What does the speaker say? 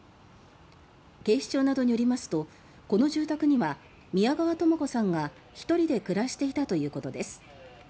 警視庁などによりますとこの住宅には、宮川知子さんが１人で暮らしていたということです。